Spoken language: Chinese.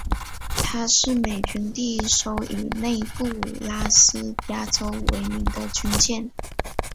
她是美军第一艘以内布拉斯加州为名的军舰。